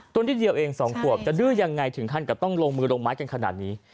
นิดเดียวเอง๒ขวบจะดื้อยังไงถึงขั้นกับต้องลงมือลงไม้กันขนาดนี้